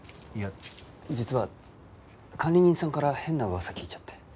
いや実は管理人さんから変な噂聞いちゃって。